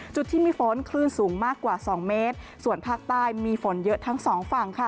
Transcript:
จุดที่มีฝนคลื่นสูงมากกว่าสองเมตรส่วนภาคใต้มีฝนเยอะทั้งสองฝั่งค่ะ